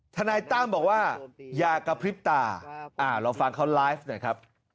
ทนายตั้มบอกว่าอย่ากระพริบตาลองฟังเขาไลฟ์หน่อยครับ